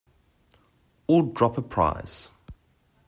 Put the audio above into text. Or drop a prize.